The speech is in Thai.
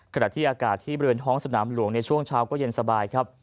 ขณะที่อากาศที่บริเวณท้องสนามหลวงในช่วงเช้าก็เย็นสบายครับ